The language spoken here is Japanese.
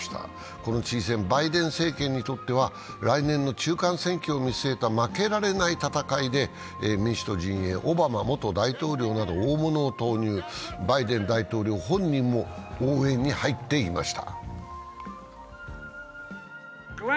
この知事選、バイデン政権にとっては来年の中間選挙を見据えた負けられない戦いで、民主党陣営はオバマ元大統領など大物を投入、バイデン大統領本人も応援に入っていました。